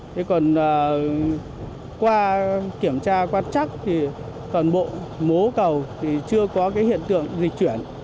thế còn qua kiểm tra quan chắc thì toàn bộ mố cầu thì chưa có cái hiện tượng dịch chuyển